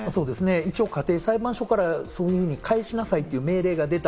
一応、家庭裁判所からそういうふうに返しなさいという命令が出た。